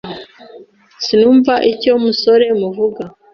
Sinumva icyo musore muvuga.